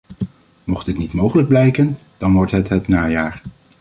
Mocht dit niet mogelijk blijken, dan wordt het het najaar.